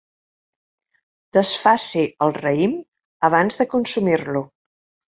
Desfaci el raïm abans de consumir-lo.